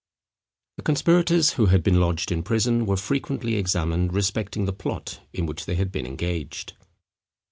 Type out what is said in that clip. The conspirators, who had been lodged in prison, were frequently examined respecting the plot in which they had been engaged.